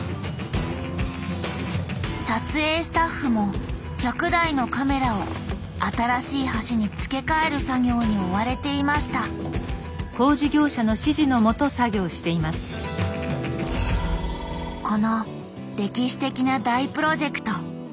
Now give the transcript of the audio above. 撮影スタッフも１００台のカメラを新しい橋に付け替える作業に追われていましたこの歴史的な大プロジェクト。